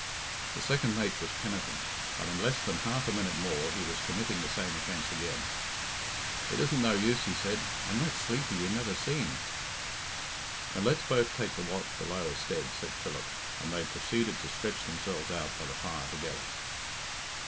The second mate was penitent, but in less than half a minute more he was committing the same offence again. "It isn't no use," he said, "I'm that sleepy you never seen." "Then let's both take the watch below i'stead," said Philip, and they proceeded to stretch themselves out by the fire together.